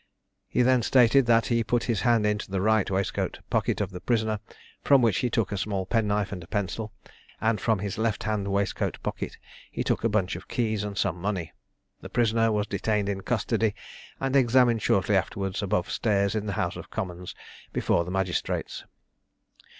He then stated, that he put his hand into the right waistcoat pocket of the prisoner, from which he took a small penknife and a pencil, and from his left hand waistcoat pocket he took a bunch of keys and some money. The prisoner was detained in custody, and examined shortly afterwards above stairs in the House of Commons before the magistrates.